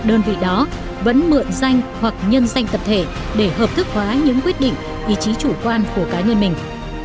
đơn vị đó vẫn mượn danh hoặc nhân danh tập thể để hợp thức hóa những quyết định ý chí chủ quan của cá nhân mình